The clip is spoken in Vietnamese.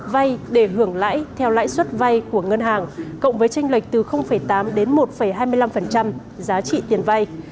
vai để hưởng lãi theo lãi suất vai của ngân hàng cộng với tranh lệch từ tám đến một hai mươi năm giá trị tiền vai